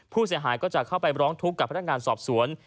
ผู้เสียหายก็จะเข้าไปร้องทุกข์กับพนักงานสอบสวน